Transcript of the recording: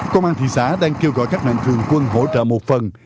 công an thị xã đang kêu gọi các mạnh thường quân hỗ trợ một phần